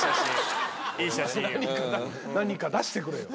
何か出してくれよ。